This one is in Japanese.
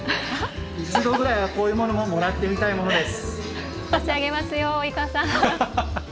一度ぐらいは、こういうものももらってみたいものです。